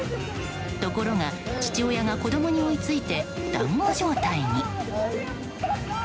ところが父親が子供に追いついて団子状態に。